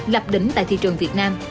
lập đỉnh tại thị trường việt nam